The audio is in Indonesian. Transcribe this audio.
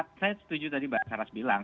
ya saya setuju tadi bahwa saras bilang